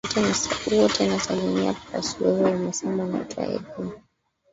wote nasalimia plus wewe umesema unaitwa edwin